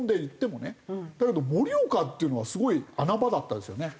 だけど盛岡っていうのはすごい穴場だったですよね。